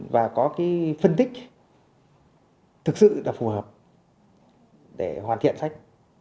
và có cái phân tích thực sự là phù hợp để hoàn thiện sách